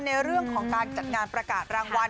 ในเรื่องของการจัดงานประกาศรางวัล